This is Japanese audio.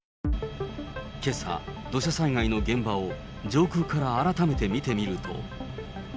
けさ、土砂災害の現場を上空から改めて見てみると。